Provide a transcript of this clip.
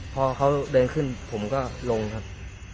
พอเขาเดินขึ้นผมก็ลงครับ